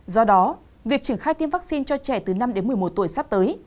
do đó việc triển khai tiêm vaccine cho trẻ từ năm đến một mươi một tuổi sắp tới